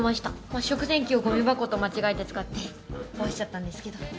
食洗機をごみ箱と間違えて使って壊しちゃったんですけど。